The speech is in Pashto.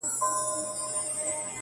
خو د انسان او میتا فزیک